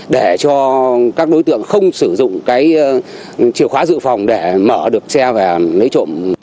do các đối tượng không sử dụng cái chìa khóa dự phòng để mở được xe và lấy trộm